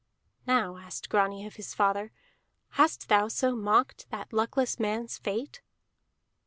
"Now," asked Grani of his father, "hast thou so mocked that luckless man's fate?"